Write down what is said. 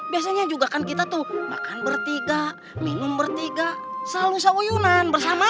biasanya juga kan kita tuh makan bertiga minum bertiga selalu sawuyunan bersama